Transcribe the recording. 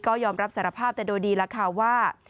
ก็ยอมรับสารภาพแต่โดยดีแล้วค่ะว่า